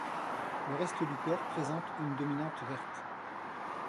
Le reste du corps présente une dominante verte.